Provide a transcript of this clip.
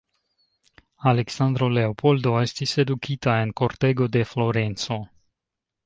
Aleksandro Leopoldo estis edukita en kortego de Florenco.